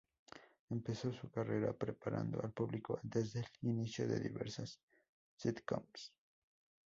Empezó su carrera preparando al público antes del inicio de diversas sitcoms.